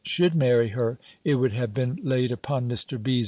should marry her, it would have been laid upon Mr. B.'